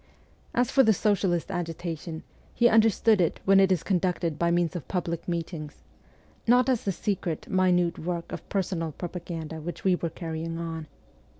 As for the socialist agi tation, he understood it when it is conducted by means of public meetings not as the secret, minute work of personal propaganda which we were carrying on.